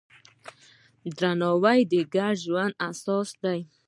درناوی د ګډ ژوند اساس دی.